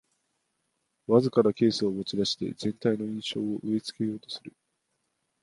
わずかなケースを持ちだして全体の印象を植え付けようとする